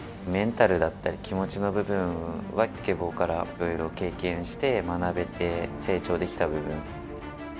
メンタルだったり気持ちの部分はスケボーからいろいろ経験して、学べて成長できた部分。